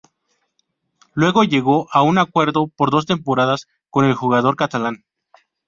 Lugo llegó a un acuerdo por dos temporadas con el jugador catalán.